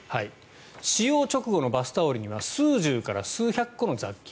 使用直後のバスタオルには数十から数百個の雑菌。